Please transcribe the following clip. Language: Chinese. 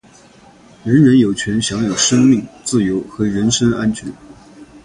人人有权享有生命、自由和人身安全。